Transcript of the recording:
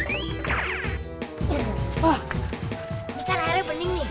ini kan airnya bening nih